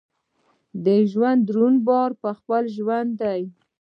د ژوند دروند بار پخپله ژوند دی.